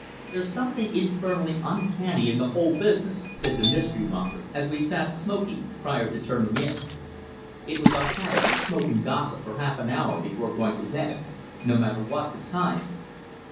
"There's something infernally uncanny in the whole business," said the Mystery monger as we sat smoking, prior to turning in. It was our habit to smoke and gossip for half an hour before going to bed, no matter what the time.